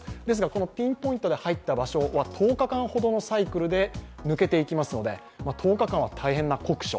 このピンポイントで入った場所は、１０日間ほどのサイクルで抜けていきますので１０日間は大変な酷暑。